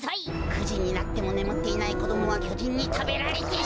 ９じになってもねむっていないこどもはきょじんにたべられてしまう！